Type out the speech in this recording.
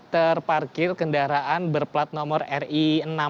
terparkir kendaraan berplat nomor ri enam puluh